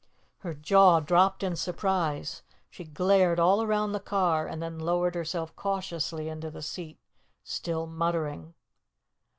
Her jaw dropped in surprise, she glared all around the car, and then lowered herself cautiously into the seat, still muttering.